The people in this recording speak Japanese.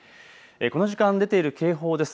この時間、出ている警報です。